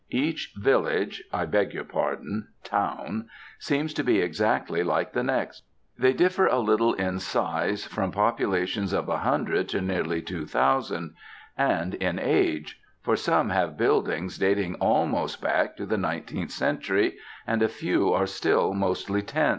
Each village I beg your pardon, 'town' seems to be exactly like the next. They differ a little in size, from populations of 100 to nearly 2000, and in age, for some have buildings dating almost back to the nineteenth century, and a few are still mostly tents.